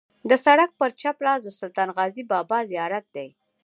د سړک پر چپ لاس د سلطان غازي بابا زیارت دی.